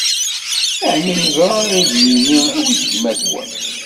Ɛni neẓra ad ɣ-id-yini: Awit-d gma-twen?